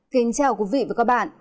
xin chào quý vị và các bạn